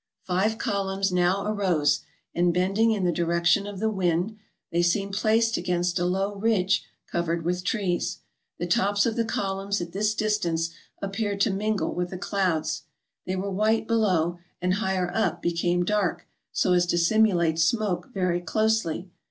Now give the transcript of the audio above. Five columns now arose, and, bending in the di rection of the wind, they seemed placed against a low ridge covered with trees ; the tops of the columns at this distance appeared to mingle with the clouds. They were white be low, and higher up became dark, so as to simulate smoke very closely.